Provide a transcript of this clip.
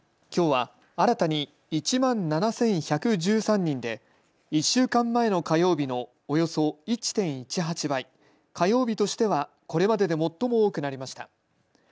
きょうは新たに１万７１１３人で１週間前の火曜日のおよそ１．１８倍、火曜日としてはこれまでで最も多くなりました。